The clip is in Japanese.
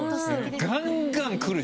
ガンガンくるし。